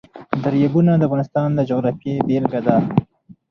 دریابونه د افغانستان د جغرافیې بېلګه ده.